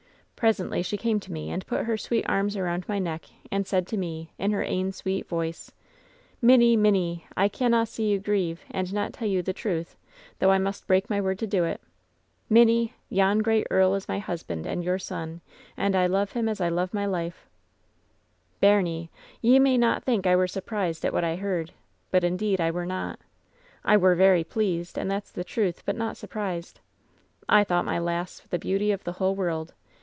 "Presently she came to me and put her sweet arms around my neck, and said to me, in her ain sweet voice, ^Minnie, minnie, I canna see you grieve and not tell you the truth, though I must break my word to do it. Min nie, yon great earl is my husband and your son, and I love him as I love my life 1' "Baimie, ye may think I were surprised at what I heard, but, indeed, I were not. I were very pleased, and that's the truth, but not surprised. I thought my lass the beauty of the whole world.